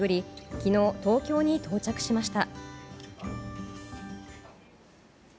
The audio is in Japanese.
昨日、東京に到着しました。